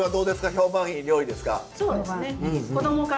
評判いい料理ですか？